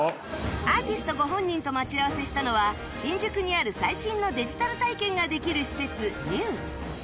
アーティストご本人と待ち合わせしたのは新宿にある最新のデジタル体験ができる施設 ＮＥＵＵ